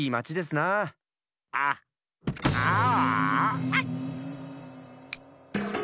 あっああ？